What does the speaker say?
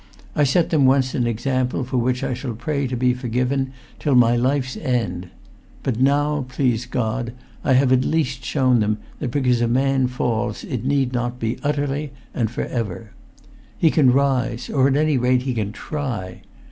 I set them once an example for which I shall pray to be forgiven till my life's end; but now, please God, I have at least shown them that because a man falls it need not be utterly and for ever. He can rise; or, at any rate, he can try.